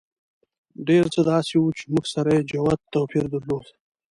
ډېر څه داسې وو چې موږ سره یې جوت توپیر درلود.